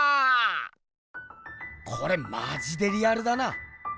これマジでリアルだな！